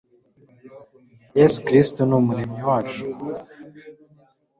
yesu kristo ni umuremyi wacu